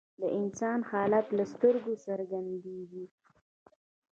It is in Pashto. د انسان حالت له سترګو څرګندیږي